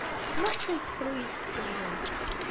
Maɣef ay teqqel ur iyi-d-tettaru?